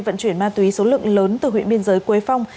vận chuyển ma túy số lượng lớn từ huyện biên giới quế phong